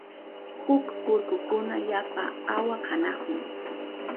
huk urkukuna yapa awa kanahun.